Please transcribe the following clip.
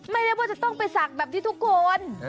ไม่ได้ว่าจะต้องไปศักดิ์แบบที่ทุกคน